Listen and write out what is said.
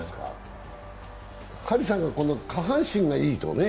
張さんが下半身がいいとね。